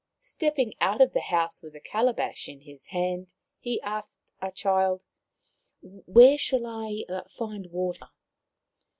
Step ping out of the house with a calabash in his hand, he asked a child: "Where shall I find water